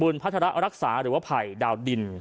ทางรองศาสตร์อาจารย์ดรอคเตอร์อัตภสิตทานแก้วผู้ชายคนนี้นะครับ